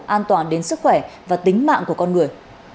an toàn đến sức khỏe và tính mạng của con người